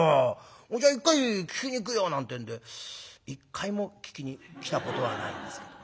ほいじゃ一回聴きに行くよ」なんてんで一回も聴きに来たことはないんですけどもね。